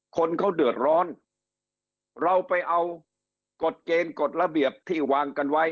คนเขาเดือดร้อนเราไปเอากฎเกณฑ์กฎระเบียบที่วางกันไว้